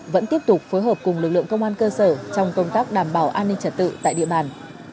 vẫn tiếp tục phối hợp cùng lực lượng công an cơ sở trong công tác đảm bảo an ninh trật tự tại địa bàn